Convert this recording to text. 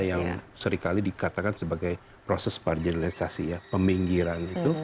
yang seringkali dikatakan sebagai proses marginalisasi ya peminggiran itu